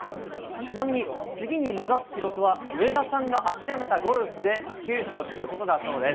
ちなみに、次に目指す記録は上田さんが諦めたゴルフで９０を切ることだそうです。